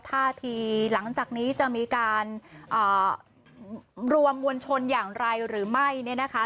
ท่าทีหลังจากนี้จะมีการรวมมวลชนอย่างไรหรือไม่เนี่ยนะคะ